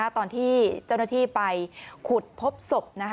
ตอนที่เจ้าหน้าที่ไปขุดพบศพ